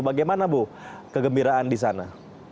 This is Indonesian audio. bagaimana bu kegembiraan di sana